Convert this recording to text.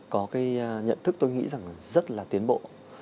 có cái nhận thức tôi nghĩ rằng là rất là tiến bộ